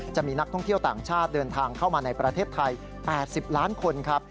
จะมีนักท่องเที่ยวต่างชาติเดินทางเข้ามาในประเทศไทย๘๐ล้านคนครับ